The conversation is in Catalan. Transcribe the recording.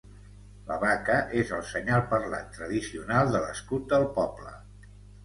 La vaca és el senyal parlant tradicional de l'escut del poble.